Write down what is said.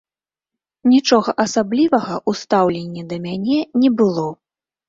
Нічога асаблівага ў стаўленні да мяне не было.